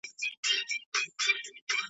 نه یې له تیارې نه له رڼا سره .